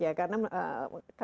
mungkin menarik ya